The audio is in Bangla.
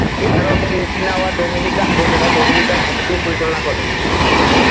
এছাড়াও, সিনসিনাওয়া ডোমিনিকান বোনেরা ডোমিনিকান হাই স্কুল পরিচালনা করে।